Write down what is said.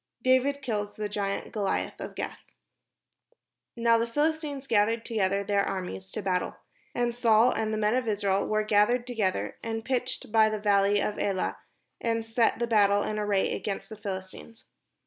DAVID KILLS THE GIANT GOLIATH OF GATH Now the Philistines gathered together their armies to battle. And Saul and the men of Israel were gathered together, and pitched by the valley of Elah, and set the battle in array against the PhiHstines.